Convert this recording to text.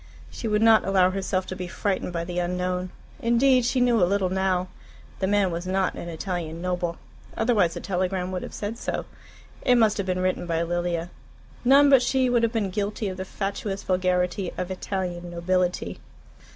She would not allow herself to be frightened by the unknown. Indeed she knew a little now. The man was not an Italian noble, otherwise the telegram would have said so. It must have been written by Lilia. None but she would have been guilty of the fatuous vulgarity of "Italian nobility."